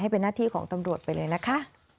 เป็นหน้าที่ของตำรวจไปเลยนะคะ